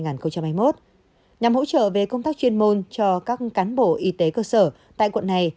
nhằm hỗ trợ về công tác chuyên môn cho các cán bộ y tế cơ sở tại quận này